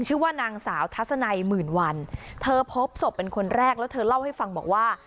ชื่อว่านางสาวทัศนัยหมื่นวันเธอพบศพเป็นคนแรกแล้วเธอเล่าให้ฟังบอกว่า